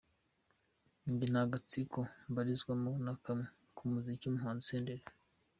Njye nta gatsiko mbarizwamo na kamwe mu muziki!”,umuhanzi Senderi.